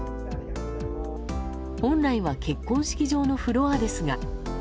本来は結婚式場のフロアですが。